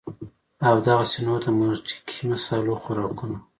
او دغسې نور د مرچکي مصالو خوراکونه